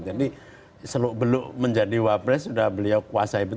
jadi seluk beluk menjadi wakil presiden sudah beliau kuasai